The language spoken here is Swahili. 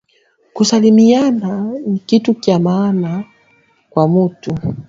Kusalimiana nikitu kya mahana kwa mutu